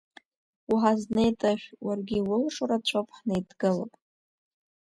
Уҳазнеи, Тышә, уаргьы иулшо рацәоуп, ҳанеидгылап…